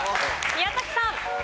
宮崎さん。